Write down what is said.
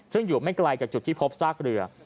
ซึ่งอยู่ไม่ไกลจากจุดที่พบซากเรือ